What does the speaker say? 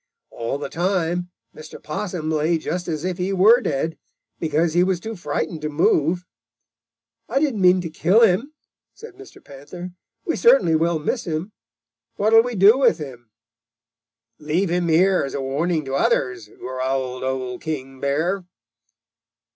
All the time Mr. Possum lay just as if he were dead, because he was too frightened to move. 'I didn't mean to kill him,' said Mr. Panther. 'We certainly will miss him. What will we do with him?' "'Leave him here as a warning to others,' growled Old King Bear.